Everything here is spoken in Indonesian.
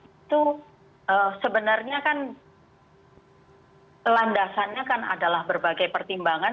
itu sebenarnya kan landasannya kan adalah berbagai pertimbangan